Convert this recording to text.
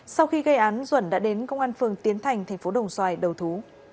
sau khi gây án duẩn đã đến công an phường tiến thành tp đồng xoài đầu thú